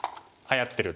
はやってる。